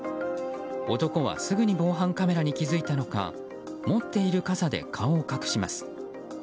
男はすぐに防犯カメラに気づいたのか持っている傘で顔を隠します。